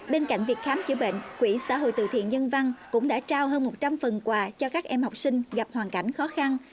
bên cạnh việc khám chữa bệnh quỹ xã hội từ thiện nhân văn cũng đã trao hơn một trăm linh phần quà cho các em học sinh gặp hoàn cảnh khó khăn